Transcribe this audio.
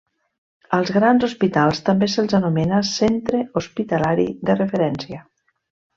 Als grans hospitals també se'ls anomena centre hospitalari de referència.